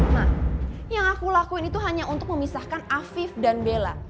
nah yang aku lakuin itu hanya untuk memisahkan afif dan bella